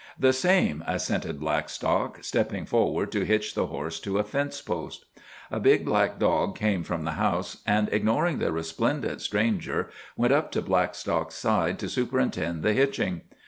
"The same," assented Blackstock, stepping forward to hitch the horse to a fence post. A big black dog came from the house and, ignoring the resplendent stranger, went up to Blackstock's side to superintend the hitching.